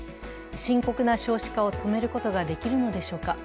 深刻な少子化を止めることができるのでしょうか。